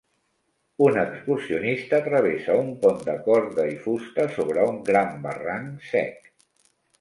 Un excursionista travessa un pont de corda i fusta sobre un gran barranc sec.